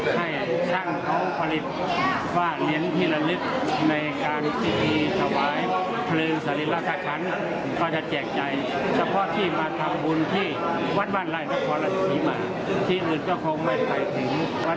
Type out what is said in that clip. มากกว่าสามอย่างนี้ค่ะจัดสร้างแดงรมดำ